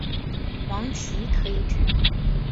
王祺可以指